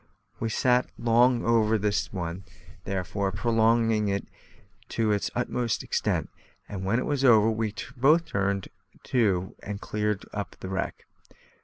We sat long over this one, therefore, prolonging it to its utmost extent; and when it was over, we both turned to and cleared up the wreck.